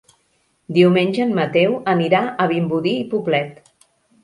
Diumenge en Mateu anirà a Vimbodí i Poblet.